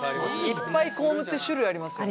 いっぱいコームって種類ありますよね？